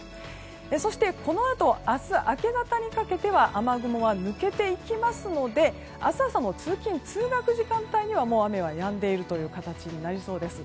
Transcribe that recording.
そして、このあと明日明け方にかけては雨雲は抜けていきますので明日朝の通勤・通学時間帯にはもう雨はやんでいるという形になりそうです。